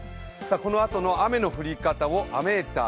このあとの雨の降り方を雨ーター